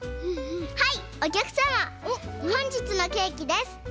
はいおきゃくさまほんじつのケーキです。